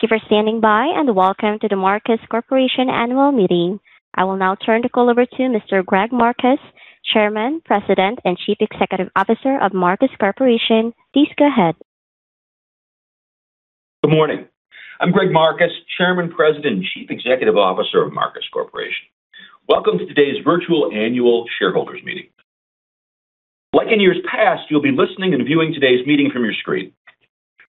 Thank you for standing by, and welcome to The Marcus Corporation Annual Meeting. I will now turn the call over to Mr. Greg Marcus, Chairman, President, and Chief Executive Officer of Marcus Corporation. Please go ahead. Good morning. I'm Greg Marcus, Chairman, President, and Chief Executive Officer of Marcus Corporation. Welcome to today's virtual annual shareholders meeting. Like in years past, you'll be listening and viewing today's meeting from your screen.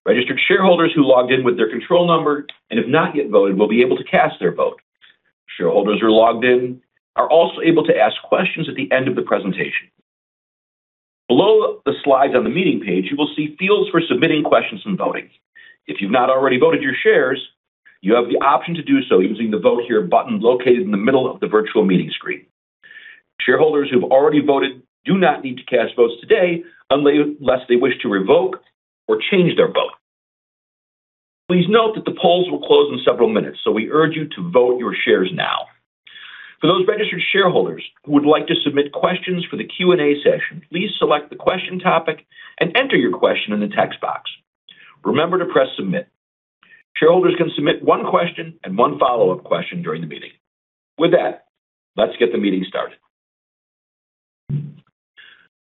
Registered shareholders who logged in with their control number and have not yet voted will be able to cast their vote. Shareholders who are logged in are also able to ask questions at the end of the presentation. Below the slides on the meeting page, you will see fields for submitting questions and voting. If you've not already voted your shares, you have the option to do so using the Vote Here button located in the middle of the virtual meeting screen. Shareholders who've already voted do not need to cast votes today unless they wish to revoke or change their vote. Please note that the polls will close in several minutes, so we urge you to vote your shares now. For those registered shareholders who would like to submit questions for the Q&A session, please select the question topic and enter your question in the text box. Remember to press Submit. Shareholders can submit one question and one follow-up question during the meeting. With that, let's get the meeting started.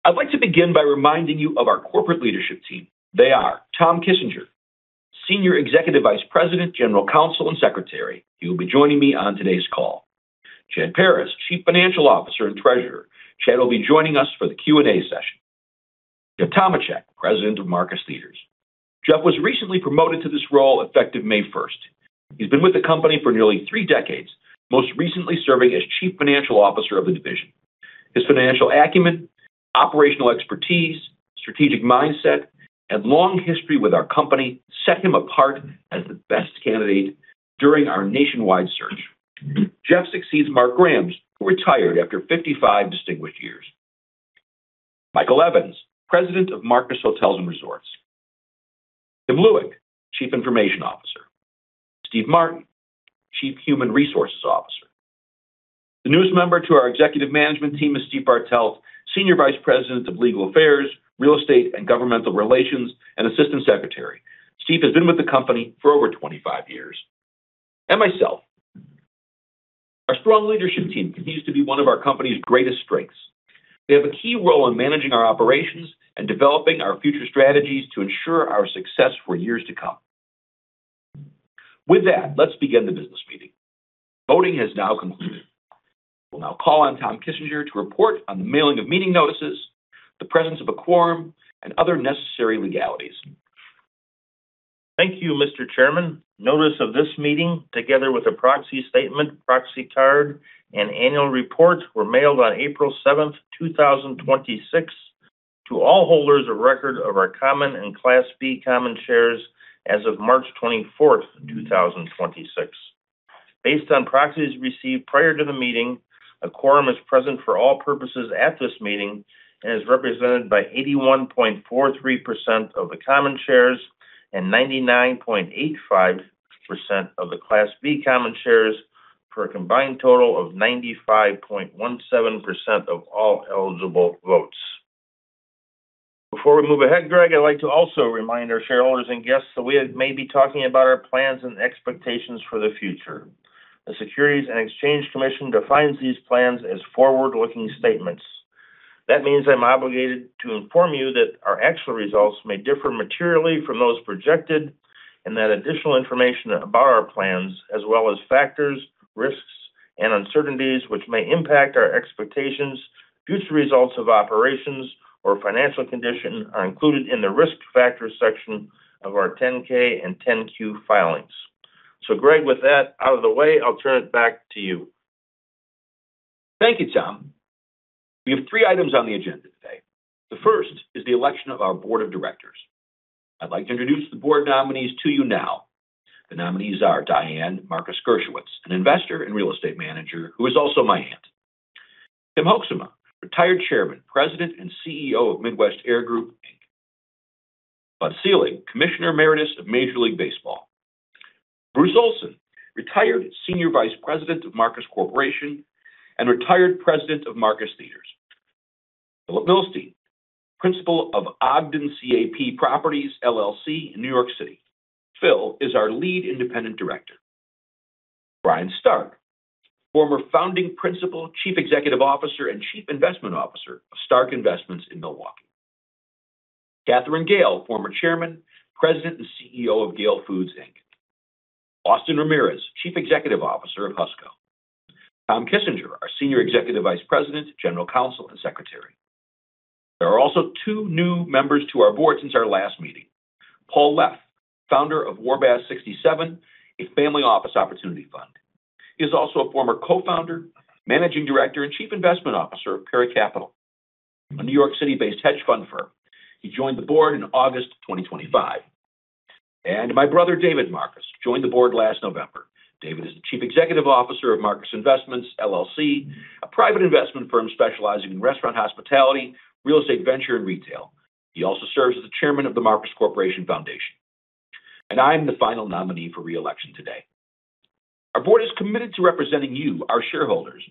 I'd like to begin by reminding you of our corporate leadership team. They are Tom Kissinger, Senior Executive Vice President, General Counsel, and Secretary, who will be joining me on today's call. Chad Paris, Chief Financial Officer and Treasurer. Chad will be joining us for the Q&A session. Jeff Tomachek, President of Marcus Theatres. Jeff was recently promoted to this role effective May 1st. He's been with the company for nearly three decades, most recently serving as Chief Financial Officer of the division. His financial acumen, operational expertise, strategic mindset, and long history with our company set him apart as the best candidate during our nationwide search. Jeff succeeds Mark Gramz, who retired after 55 distinguished years. Michael Evans, President of Marcus Hotels & Resorts. Kim Lueck, Chief Information Officer. Steve Martin, Chief Human Resources Officer. The newest member to our executive management team is Steve Bartelt, Senior Vice President of Legal Affairs, Real Estate, and Governmental Relations, and Assistant Secretary. Steve has been with the company for over 25 years, and myself. Our strong leadership team continues to be one of our company's greatest strengths. They have a key role in managing our operations and developing our future strategies to ensure our success for years to come. With that, let's begin the business meeting. Voting has now concluded. We'll now call on Tom Kissinger to report on the mailing of meeting notices, the presence of a quorum, and other necessary legalities. Thank you, Mr. Chairman. Notice of this meeting, together with a proxy statement, proxy card, and annual report, were mailed on April 7th, 2026, to all holders of record of our common and Class B common shares as of March 24th, 2026. Based on proxies received prior to the meeting, a quorum is present for all purposes at this meeting and is represented by 81.43% of the common shares and 99.85% of the Class B common shares, for a combined total of 95.17% of all eligible votes. Before we move ahead, Greg, I'd like to also remind our shareholders and guests that we may be talking about our plans and expectations for the future. The Securities and Exchange Commission defines these plans as forward-looking statements. That means I'm obligated to inform you that our actual results may differ materially from those projected and that additional information about our plans, as well as factors, risks, and uncertainties which may impact our expectations, future results of operations, or financial condition are included in the Risk Factors section of our 10-K and 10-Q filings. Greg, with that out of the way, I'll turn it back to you. Thank you, Tom. We have three items on the agenda today. The first is the election of our board of directors. I'd like to introduce the board nominees to you now. The nominees are Diane Marcus Gershowitz, an Investor and Real Estate Manager who is also my aunt. Tim Hoeksema, retired Chairman, President, and CEO of Midwest Air Group, Inc. Bud Selig, Commissioner Emeritus of Major League Baseball. Bruce Olson, retired Senior Vice President of Marcus Corporation and retired President of Marcus Theatres. Philip Milstein, Principal of Ogden CAP Properties, LLC in New York City. Phil is our Lead Independent Director. Brian Stark, former Founding Principal, Chief Executive Officer, and Chief Investment Officer of Stark Investments in Milwaukee. Katherine Gehl, former Chairman, President, and CEO of Gehl Foods, Inc. Austin Ramirez, Chief Executive Officer of Husco. Tom Kissinger, our Senior Executive Vice President, General Counsel, and Secretary. There are also two new members to our board since our last meeting. Paul Leff, Founder of Warbasse67, a family office opportunity fund. He is also a former Co-Founder, Managing Director, and Chief Investment Officer of Perry Capital, a New York City-based hedge fund firm. He joined the board in August 2025. My brother, David Marcus, joined the board last November. David is the Chief Executive Officer of Marcus Investments, LLC, a private investment firm specializing in restaurant hospitality, real estate venture, and retail. He also serves as the Chairman of the Marcus Corporation Foundation. I'm the final nominee for re-election today. Our board is committed to representing you, our shareholders,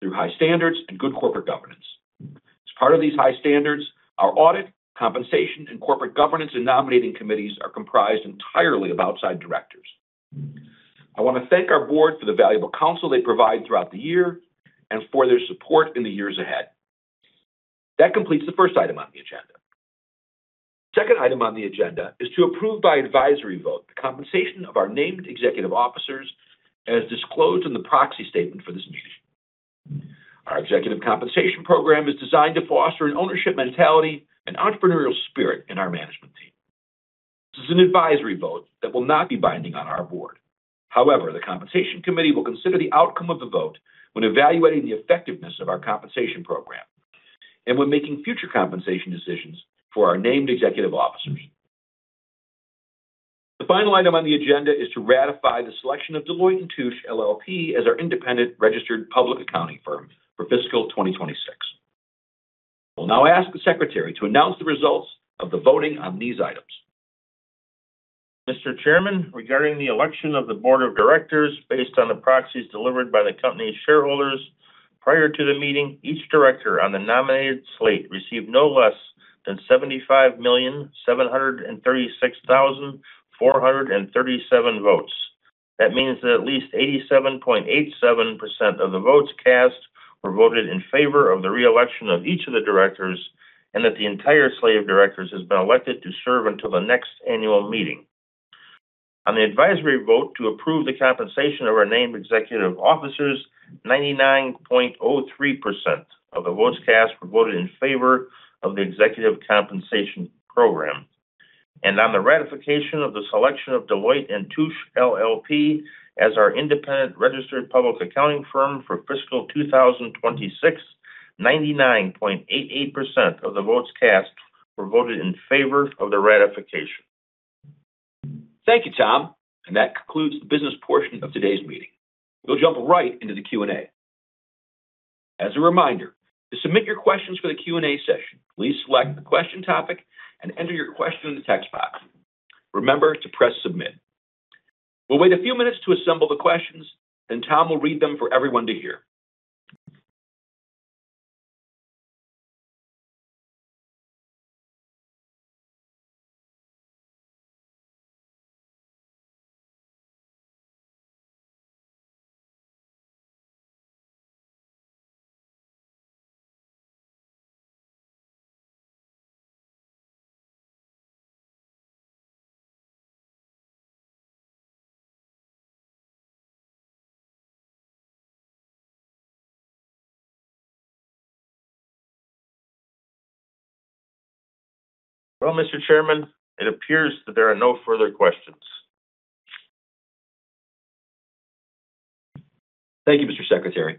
through high standards and good corporate governance. As part of these high standards, our audit, compensation, and corporate governance and nominating committees are comprised entirely of outside directors. I want to thank our board for the valuable counsel they provide throughout the year and for their support in the years ahead. That completes the first item on the agenda. Second item on the agenda is to approve by advisory vote the compensation of our named executive officers as disclosed in the proxy statement for this meeting. Our executive compensation program is designed to foster an ownership mentality and entrepreneurial spirit in our management team. This is an advisory vote that will not be binding on our board. The Compensation Committee will consider the outcome of the vote when evaluating the effectiveness of our compensation program and when making future compensation decisions for our named executive officers. The final item on the agenda is to ratify the selection of Deloitte & Touche LLP as our independent registered public accounting firm for fiscal 2026. Will now ask the secretary to announce the results of the voting on these items. Mr. Chairman, regarding the election of the board of directors, based on the proxies delivered by the company's shareholders, prior to the meeting, each director on the nominated slate received no less than 75,736,437 votes. That means that at least 87.87% of the votes cast were voted in favor of the re-election of each of the directors and that the entire slate of directors has been elected to serve until the next annual meeting. On the advisory vote to approve the compensation of our named executive officers, 99.03% of the votes cast were voted in favor of the executive compensation program. On the ratification of the selection of Deloitte & Touche LLP as our independent registered public accounting firm for fiscal 2026, 99.88% of the votes cast were voted in favor of the ratification. Thank you, Tom. That concludes the business portion of today's meeting. We'll jump right into the Q&A. As a reminder, to submit your questions for the Q&A session, please select the question topic and enter your question in the text box. Remember to press submit. We'll wait a few minutes to assemble the questions, then Tom will read them for everyone to hear. Well, Mr. Chairman, it appears that there are no further questions. Thank you, Mr. Secretary.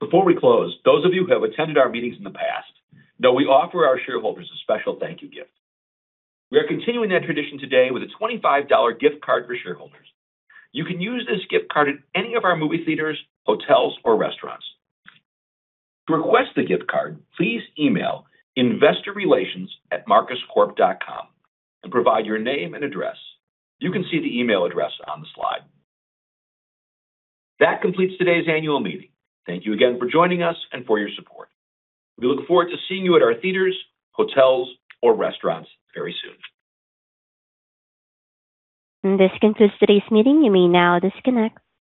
Before we close, those of you who have attended our meetings in the past know we offer our shareholders a special thank you gift. We are continuing that tradition today with a $25 gift card for shareholders. You can use this gift card at any of our movie theaters, hotels, or restaurants. To request the gift card, please email investorrelations@marcuscorp.com and provide your name and address. You can see the email address on the slide. That completes today's annual meeting. Thank you again for joining us and for your support. We look forward to seeing you at our theaters, hotels, or restaurants very soon. This concludes today's meeting. You may now disconnect.